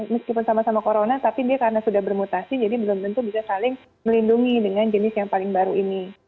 meskipun sama sama corona tapi dia karena sudah bermutasi jadi belum tentu bisa saling melindungi dengan jenis yang paling baru ini